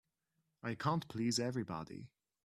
I can't please everybody.